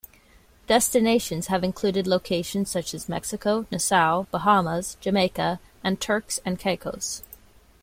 Destinations have included locations such as Mexico, Nassau, Bahamas, Jamaica, and Turks and Caicos.